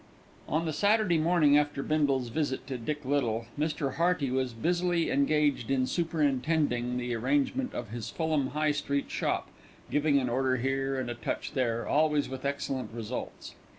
On the Saturday morning after Bindle's visit to Dick Little, Mr. Hearty was busily engaged in superintending the arrangement of his Fulham High Street shop, giving an order here and a touch there, always with excellent results.